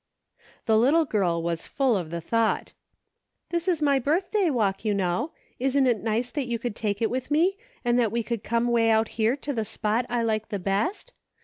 The little girl was full of the thought : "This is my birthday walk, you know. Isn't it nice that you could take it with me, and that we could come way out here to the spot I like the best